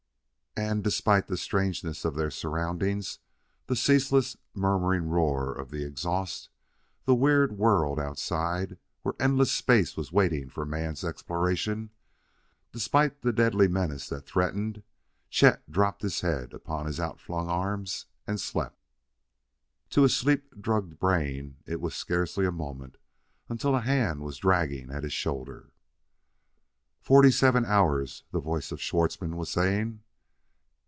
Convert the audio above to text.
And, despite the strangeness of their surroundings, the ceaseless, murmuring roar of the exhaust, the weird world outside, where endless space was waiting for man's exploration despite the deadly menace that threatened, Chet dropped his head upon his outflung arms and slept. To his sleep drugged brain it was scarcely a moment until a hand was dragging at his shoulder. "Forty seven hours!" the voice of Schwartzmann was saying.